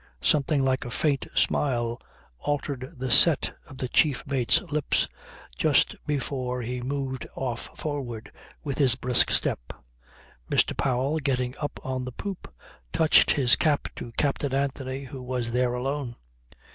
Something like a faint smile altered the set of the chief mate's lips just before he moved off forward with his brisk step. Mr. Powell, getting up on the poop, touched his cap to Captain Anthony, who was there alone.